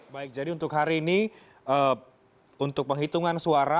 baik jadi untuk hari ini untuk penghitungan suara